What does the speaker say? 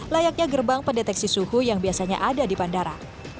layaknya gerbang pendeteksi suhu yang biasanya ada di bandara